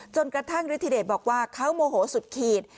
กระทั่งฤทธิเดชบอกว่าเขาโมโหสุดขีด